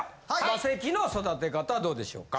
マセキの育て方はどうでしょうか？